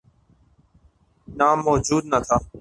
نام موجود نہ تھا۔